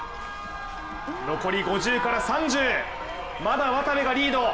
残り５０から３０まだ渡部がリード。